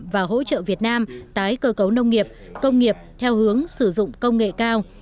và hỗ trợ việt nam tái cơ cấu nông nghiệp công nghiệp theo hướng sử dụng công nghệ cao